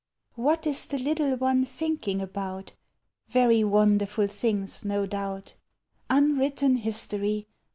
What is the little one thinking about? Very wonderful things, no doubt; Unwritten history